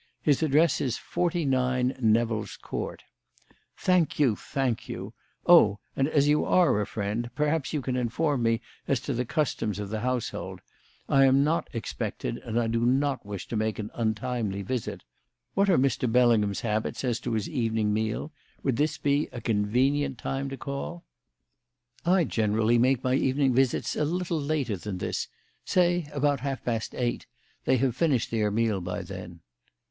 His address is Forty nine Nevill's Court." "Thank you, thank you. Oh, and as you are a friend, perhaps you can inform me as to the customs of the household. I am not expected, and I do not wish to make an untimely visit. What are Mr. Bellingham's habits as to his evening meal? Would this be a convenient time to call?" "I generally make my evening visits a little later than this say about half past eight; they have finished their meal by then."